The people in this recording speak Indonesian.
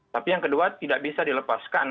tapi yang kedua tidak bisa dilepaskan